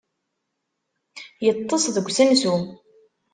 Yeṭṭes deg usensu.